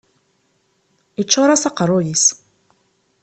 Yeččur-as aqerruy-is.